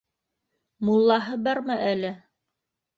Муллаһы бармы әле?